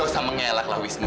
gak usah mengelak lah wisnu